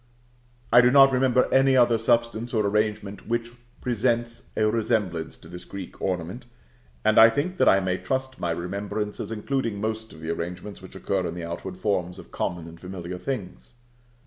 I do not remember any other substance or arrangement which presents a resemblance to this Greek ornament; and I think that I may trust my remembrance as including most of the arrangements which occur in the outward forms of common and familiar things.